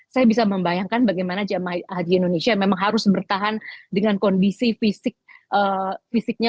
saya bisa membayangkan bagaimana jemaah haji indonesia memang harus bertahan dengan kondisi fisiknya